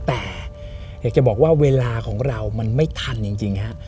แต่อยากจะบอกว่าเวลาของเรามันไม่ทันจริงฮะ